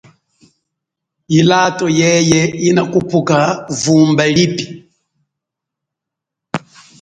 Ilato yeye inakhupuka vumba lipi.